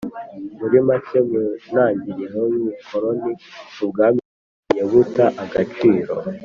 Muri make, mu ntagiriro y'ubukoloni, ubwami bwagiye buta agaciro,